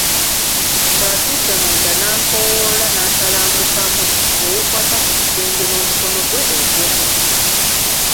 Ng'atuuse munda n'ankoowoola n'atalangukamu, ne yeekwata ku kisenge n'omukono gwe ogumu.